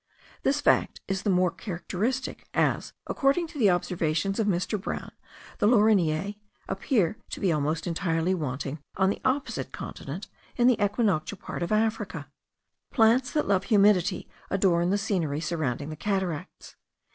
This fact is the more characteristic as, according to the observations of Mr. Brown, the laurineae appear to be almost entirely wanting on the opposite continent, in the equinoctial part of Africa. Plants that love humidity adorn the scenery surrounding the cataracts.